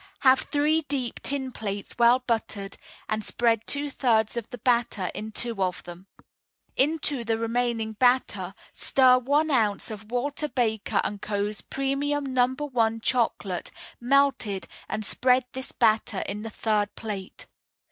Have three deep tin plates well buttered, and spread two thirds of the batter in two of them. Into the remaining batter stir one ounce of Walter Baker & Co.'s Premium No. 1 Chocolate, melted, and spread this batter in the third plate.